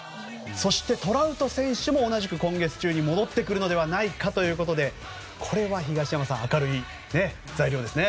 そしてトラウト選手も今月中に戻ってくるのではないかということでこれは東山さん明るい材料ですね。